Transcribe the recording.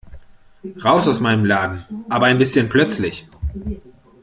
Raus aus meinem Laden, aber ein bisschen plötzlich!